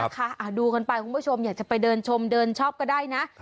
ดูกันไปคุณผู้ชมอยากจะไปเดินชมเดินชอบก็ได้นะ